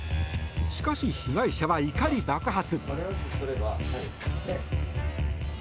しかし、被害者は怒り爆発。